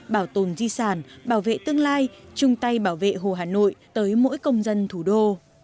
bảo tồn di sản bảo vệ tương lai chung tay bảo vệ hồ hà nội tới mỗi công dân thủ đô